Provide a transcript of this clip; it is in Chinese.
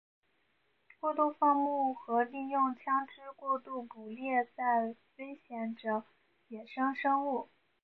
过度放牧和利用枪枝过度捕猎在威胁着野生生物。